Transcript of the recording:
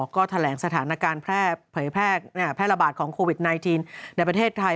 ก็แถลงสถานการณ์เผยแพร่แพร่ระบาดของโควิด๑๙ในประเทศไทย